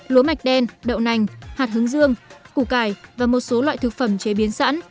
lúa mạch đen đậu nành hạt hướng dương củ cải và một số loại thực phẩm chế biến sẵn